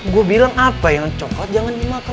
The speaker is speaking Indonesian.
gue bilang apa yang coklat jangan dimakan